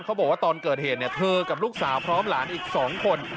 บอกว่าตอนเกิดเหตุเธอกับลูกสาวพร้อมหลานอีก๒คน